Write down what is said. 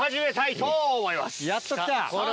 やっと来た。